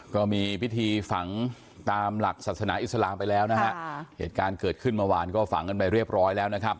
ก็มีพิธีฝังตามหลักศาสนาอิสลามไปแล้วนะฮะเหตุการณ์เกิดขึ้นเมื่อวานก็ฝังกันไปเรียบร้อยแล้วนะครับ